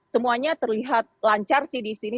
semuanya terlihat lancar sih di sini